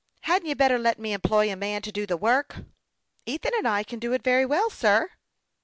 Hadn't you bet ter let me employ a man to do the work r "" Ethan and I can do it very well, sir."